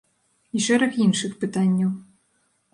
І шэраг іншых пытанняў.